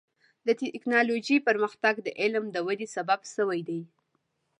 د ټکنالوجۍ پرمختګ د علم د ودې سبب شوی دی.